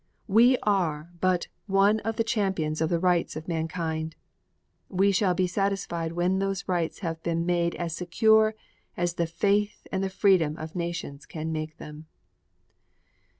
We are but one of the champions of the rights of mankind. We shall be satisfied when those rights have been made as secure as the faith and the freedom of nations can make them.